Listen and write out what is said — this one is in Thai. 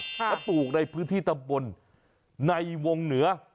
และปลูกในพื้นที่ตำบลในวงเหนือ